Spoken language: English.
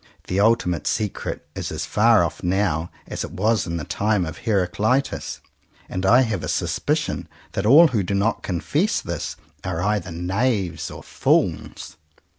The ultimate secret is as far off now as it was in the time of Heracli tus, and I have a suspicion that all who do not confess this are either knaves or fools.